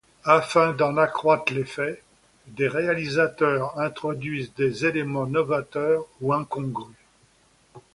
Afin d’en accroître l’effet, des réalisateurs introduisent des éléments novateurs ou incongrus.